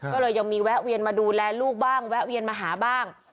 ก็เลยยังมีแวะเวียนมาดูแลลูกบ้างแวะเวียนมาหาบ้าง